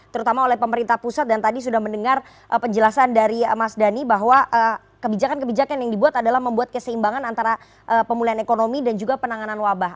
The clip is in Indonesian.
terutama oleh pemerintah pusat dan tadi sudah mendengar penjelasan dari mas dhani bahwa kebijakan kebijakan yang dibuat adalah membuat keseimbangan antara pemulihan ekonomi dan juga penanganan wabah